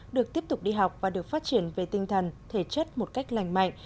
được tiếp tục đi học và được phát triển về tinh thần thể chất một cách lành mạnh